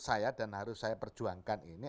saya dan harus saya perjuangkan ini